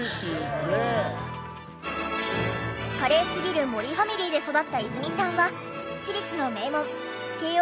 華麗すぎる森ファミリーで育った泉さんは私立の名門慶應義塾